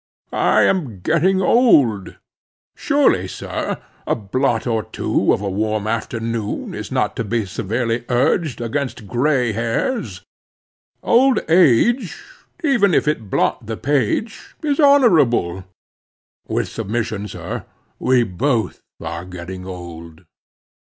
I am getting old. Surely, sir, a blot or two of a warm afternoon is not to be severely urged against gray hairs. Old age—even if it blot the page—is honorable. With submission, sir, we both are getting old."